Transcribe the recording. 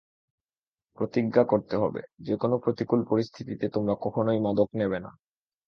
প্রতিজ্ঞা করতে হবে, যেকোনো প্রতিকূল পরিস্থিতিতে তোমরা কখনোই মাদক নেবে না।